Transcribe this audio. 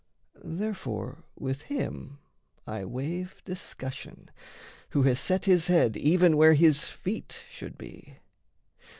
Therefore with him I waive discussion who has set his head Even where his feet should be.